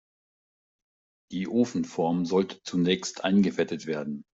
Die Ofenform sollte zunächst eingefettet werden.